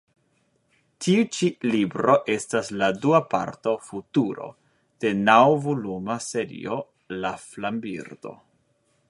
Tiu ĉi libro estas la dua parto Futuro de naŭvoluma serio La flambirdo.